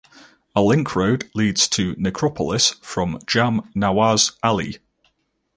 A link road leads to necropolis from Jam Nawaz Ali.